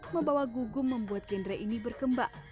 membawa gugum membuat jenre ini berkembak